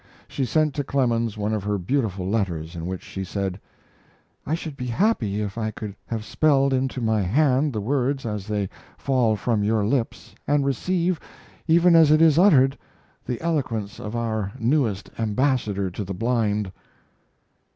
She sent to Clemens one of her beautiful letters, in which she said: I should be happy if I could have spelled into my hand the words as they fall from your lips, and receive, even as it is uttered, the eloquence of our newest ambassador to the blind.